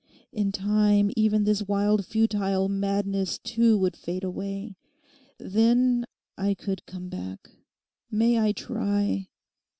In time even this wild futile madness too would fade away. Then I could come back. May I try?